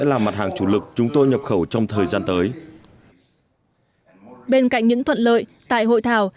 không đáng chủ lực chúng tôi nhập khẩu trong thời gian tới bên cạnh những thuận lợi tại hội thảo